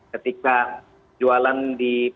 ketika jualan di